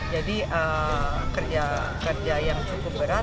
jadi kerja yang cukup berat